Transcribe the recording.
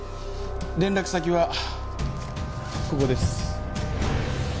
連絡先はここです。